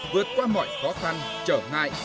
vượt qua mọi khó khăn trở ngại